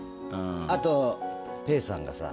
あとペーさんがさ。